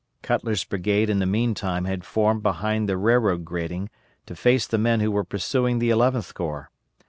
Cutler's brigade in the meantime had formed behind the railroad grading to face the men who were pursuing the Eleventh Corps.